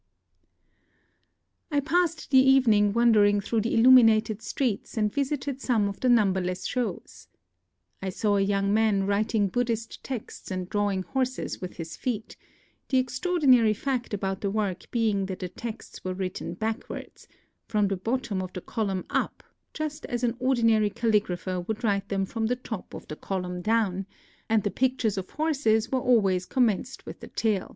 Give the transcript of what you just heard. I passed the evening wandering through the illuminated streets, and visited some of the numberless shows. I saw a young man writing Buddhist texts and drawing horses with his feet; the extraordinary fact about the work being that the texts were written backwards, — from the bottom of the column up, just as an ordinary calligrapher would write them from the top of the column down, — and the pictures of horses were always commenced with the tail.